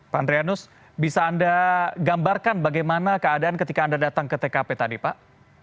pak adrianus bisa anda gambarkan bagaimana keadaan ketika anda datang ke tkp tadi pak